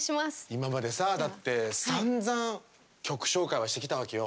今までさだってさんざん曲紹介はしてきたわけよ。